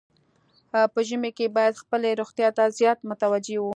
په ژمي کې باید خپلې روغتیا ته زیات متوجه وو.